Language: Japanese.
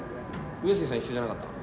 上杉さん一緒じゃなかったの？